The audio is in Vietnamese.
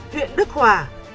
huyện đức hòa